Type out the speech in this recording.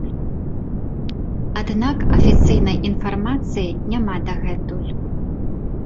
Аднак афіцыйнай інфармацыі няма дагэтуль.